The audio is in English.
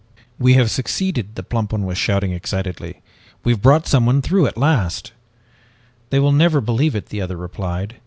"'We have succeeded!' the plump one was shouting excitedly. 'We've brought someone through at last!' "'They will never believe it,' the other replied.